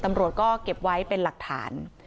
ตำรวจก็เก็บไว้เป็นหลักฐาน